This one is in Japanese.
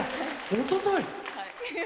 おととい。